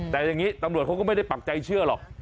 แต่อย่างนี้ตำรวจเขาก็ไม่ได้ปักใจเชื่อหรอก